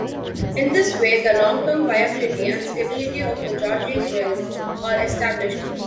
In this way, the long-term viability and stability of the Georgian realm are established.